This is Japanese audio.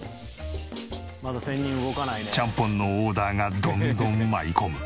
ちゃんぽんのオーダーがどんどん舞い込む。